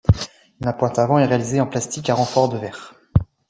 La pointe avant est réalisée en plastique à renfort de verre.